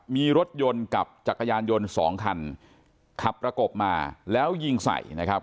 มีรถยนต์กับจักรยานยนต์สองคันขับประกบมาแล้วยิงใส่นะครับ